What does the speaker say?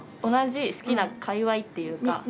同じ好きな界わいっていうか。